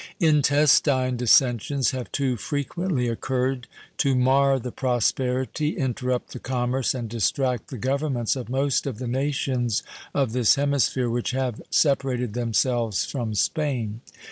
Intestine dissensions have too frequently occurred to mar the prosperity, interrupt the commerce, and distract the governments of most of the nations of this hemisphere which have separated themselves from Spain.